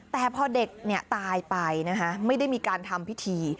แต่พอเด็กตายไปนะคะไม่ได้มีการทำพิธี